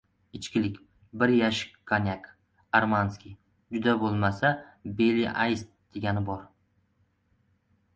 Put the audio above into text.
Ichkilik. Bir yashik konyak — armanskiy. Juda bo‘lmasa, «Beliy aist» degani bor.